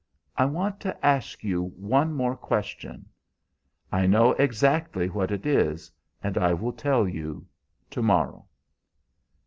"I want to ask you one more question." "I know exactly what it is, and I will tell you to morrow."